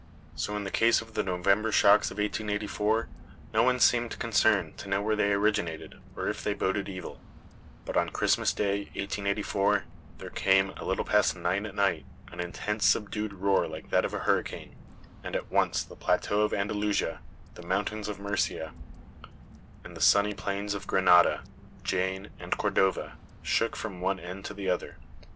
So in the case of the November shocks of 1884, no one seemed concerned to know where they originated, or if they boded evil. But on Christmas day, 1884, there came, a little past nine at night, an intense subdued roar like that of a hurricane; and at once the plateaux of Andalusia, the mountains of Murcia, and the sunny plains of Granada, Jaen [Illustration: GREAT EARTHQUAKE IN ANDALUSIA.] and Cordova shook from one end to the other.